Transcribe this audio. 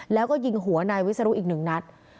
แล้วก็ยิงหัวนายวิศนุอีกหนึ่งนัด